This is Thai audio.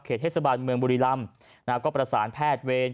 เทศบาลเมืองบุรีรำก็ประสานแพทย์เวร